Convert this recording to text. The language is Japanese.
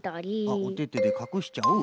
あっおててでかくしちゃう。